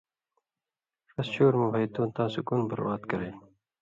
ݜس شُور مہ بھئ تُوں تاں سُکُون برباد کرئیل